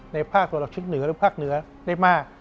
ภาคตะวันออกชิดเหนือหรือภาคเหนือได้มาก